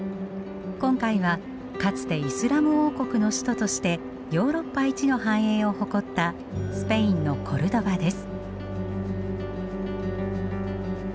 今回はかつてイスラム王国の首都としてヨーロッパ一の繁栄を誇ったスペインのコルドバです。